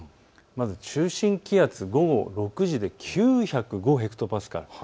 まず中心気圧、午後６時で９０５ヘクトパスカル。